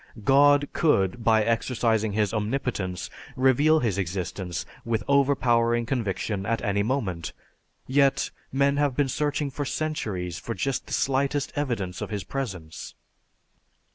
God could by exercising His omnipotence reveal His existence with overpowering conviction at any moment; yet, men have been searching for centuries for just the slightest evidence of His presence.